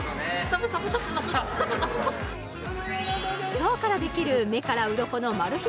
今日からできる目からうろこのマル秘